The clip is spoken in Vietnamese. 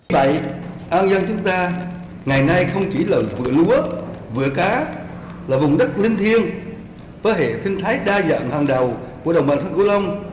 vì vậy an giang chúng ta ngày nay không chỉ là vườn lúa vườn cá là vùng đất linh thiêng với hệ sinh thái đa dạng hàng đầu của đồng bằng sông cửu long